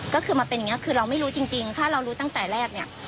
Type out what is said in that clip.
ก็คือมาเป็นอย่างนี้คือเราไม่รู้จริงถ้าเรารู้ตั้งแต่แรกเนี่ย